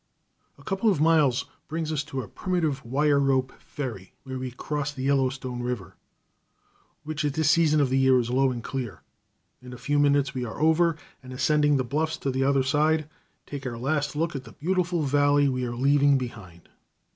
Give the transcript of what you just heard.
A couple of miles brings us to a primitive wire rope ferry, where we cross the Yellowstone River, which at this season of the year is low and clear; in a few minutes we are over, and, ascending the bluffs on the other side, take our last look at the beautiful valley we are leaving behind.